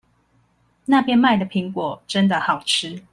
那邊賣的蘋果真的好吃